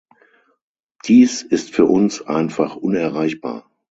Dies ist für uns einfach unerreichbar.